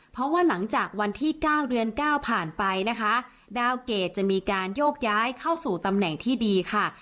เพราะว่าหลังจากวันที่๙เดือน๙ผ่านไปนะคะดาวเกรดจะมีการโยกย้ายเข้าสู่ตำแหน่งที่ดีค่ะ